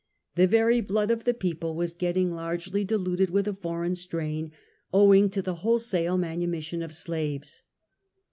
The very blood of the people was getting largely diluted with a foreign strain, owing to the whole sale manumission of slaves.